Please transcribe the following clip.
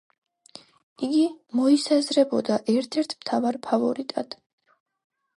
იგი მოისაზრებოდა ერთ-ერთ მთავარ ფავორიტად.